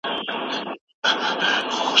هر څه باید د انګریزانو تر څارنې لاندې وای.